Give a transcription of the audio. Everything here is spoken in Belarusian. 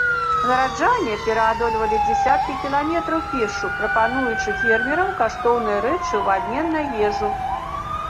Гараджане пераадольвалі дзясяткі кіламетраў пешшу, прапануючы фермерам каштоўныя рэчы ў абмен на ежу.